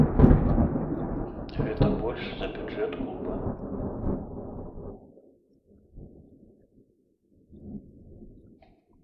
Гэта больш за бюджэт клуба.